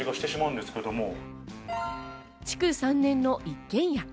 築３年の一軒家。